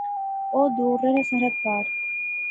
او دور رہنا، سرحد پار